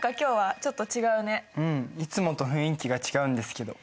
いつもと雰囲気が違うんですけど。